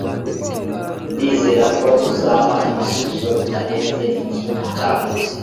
ndizera ko uzampa igisubizo bitarenze iki gicamunsi